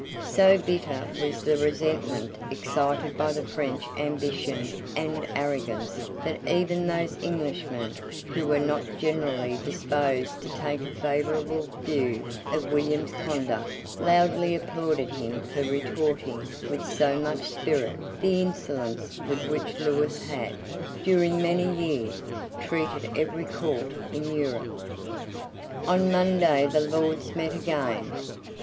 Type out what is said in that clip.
So bitter was the resentment excited by the French ambition and arrogance that even those Englishmen who were not generally disposed to take a favourable view of William's conduct loudly applauded him for retorting with so much spirit the insolence with which Lewis had, during many years, treated every court in Europe. On Monday the Lords met again.